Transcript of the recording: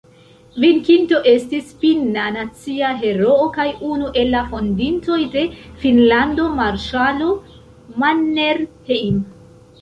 Venkinto estis finna nacia heroo kaj unu el la fondintoj de Finnlando marŝalo Mannerheim.